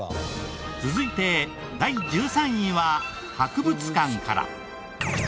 続いて第１３位は博物館から。